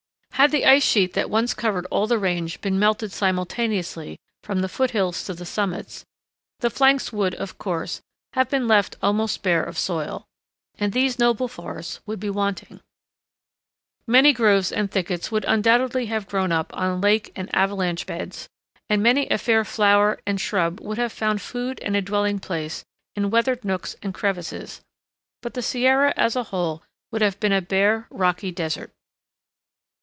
Had the ice sheet that once covered all the range been melted simultaneously from the foot hills to the summits, the flanks would, of course, have been left almost bare of soil, and these noble forests would be wanting. Many groves and thickets would undoubtedly have grown up on lake and avalanche beds, and many a fair flower and shrub would have found food and a dwelling place in weathered nooks and crevices, but the Sierra as a whole would have been a bare, rocky desert. [Illustration: VIEW IN THE MAIN PINE BELT OF THE SIERRA FOREST.